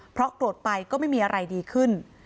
เพราะโกรธไปก็ไม่มีอะไรดีขึ้น